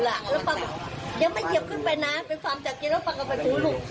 แล้วป้าก็ยังไม่เหยียบขึ้นไปนะเป็นความจัดเกียรติแล้วป้าก็เอาไปถูกลูก